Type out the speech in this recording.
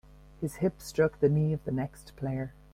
His hip struck the knee of the next player.